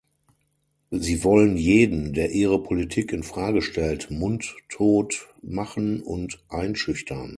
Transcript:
Sie wollen jeden, der Ihre Politik in Frage stellt, mundtot machen und einschüchtern!